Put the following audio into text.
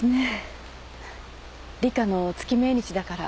里香の月命日だから。